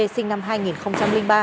sinh năm hai nghìn ba